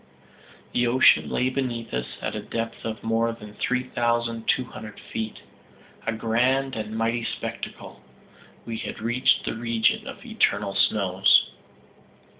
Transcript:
The ocean lay beneath us at a depth of more than three thousand two hundred feet a grand and mighty spectacle. We had reached the region of eternal snows.